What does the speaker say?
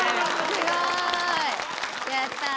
すごい！やった。